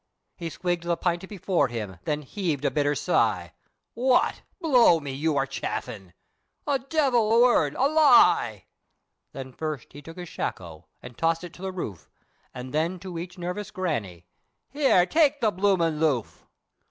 He swigged the pint before him, then heaved a bitter sigh, "What? blow me, your a chaffin'!" "O divil a word o' lie!" Then first he took his shako, and tossed it to the roof, Then to each nervous grannie, "Here take the bloomin' loof."